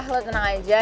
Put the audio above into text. lo tenang aja